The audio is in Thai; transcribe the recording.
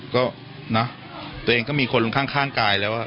ก็เนอะตัวเองก็มีคนลงข้างกายแล้ว